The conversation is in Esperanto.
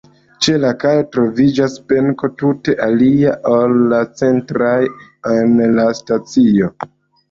Ĉe la kajo situas benko, tute alia, ol la ceteraj en la stacio.